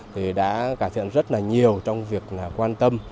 thì đã cải thiện rất là nhiều trong việc quan tâm